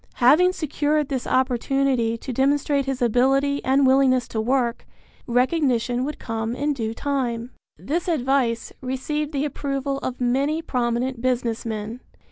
Having secured this opportunity to demonstrate his ability and willingness to work, recognition would come in due time. This advice received the approval of many prominent business men.